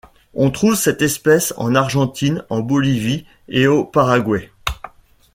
On trouve cette espèce en Argentine, en Bolivie et au Paraguay.